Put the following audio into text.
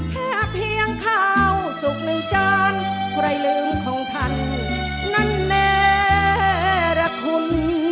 แค่เพียงข้าวสุกหนึ่งจานใครลืมของท่านนั้นแน่ระคม